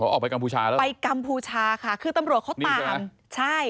ออกไปกัมพูชาแล้วไปกัมพูชาค่ะคือตำรวจเขาตามใช่